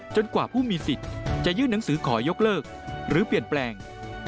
กว่าผู้มีสิทธิ์จะยื่นหนังสือขอยกเลิกหรือเปลี่ยนแปลง